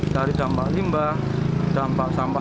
dari dampak limbah dampak sampah